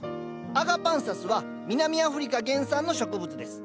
アガパンサスは南アフリカ原産の植物です。